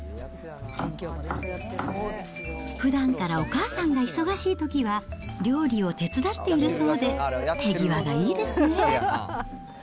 ふだんからお母さんが忙しいときは料理を手伝っているそうで、手際がいいですね。